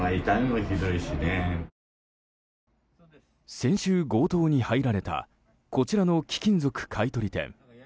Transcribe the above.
先週、強盗に入られたこちらの貴金属買い取り店。